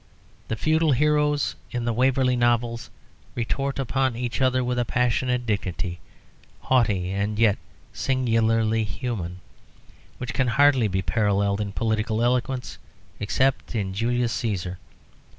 The feudal heroes in the "Waverley Novels" retort upon each other with a passionate dignity, haughty and yet singularly human, which can hardly be paralleled in political eloquence except in "Julius Cæsar."